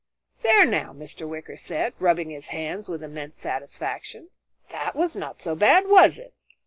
"There now," Mr. Wicker said, rubbing his hands with immense satisfaction, "that was not so bad, was it?